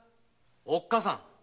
おっかさん。